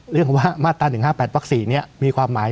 เรื่องว่ามาตรา๑๕๘วัก๔นี้มีความหมาย